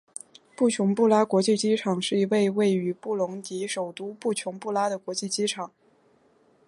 布琼布拉国际机场是一位位于布隆迪首都布琼布拉的国际机场。